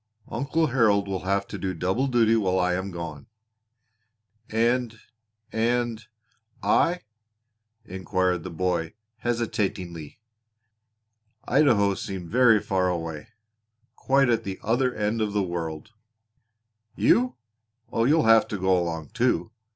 "Uncle Harold will have to do double duty while I am gone." "And and I?" inquired the boy hesitatingly. Idaho seemed very far away quite at the other end of the world. "You? Oh, you'll have to go along too!